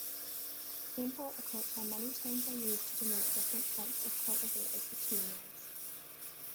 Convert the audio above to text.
In horticulture many terms are used to denote different types of cultivated petunias.